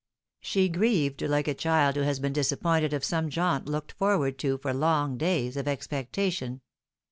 She grieved like a child who has been disappointed of some jaunt looked forward to for long days of expectation.